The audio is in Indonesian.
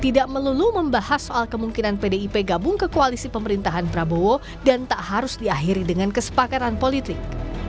tidak melulu membahas soal kemungkinan pdip gabung ke koalisi pemerintahan prabowo dan tak harus diakhiri dengan kesepakatan politik